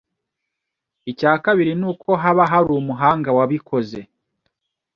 Icya kabiri ni uko haba hari umuhanga wabikoze.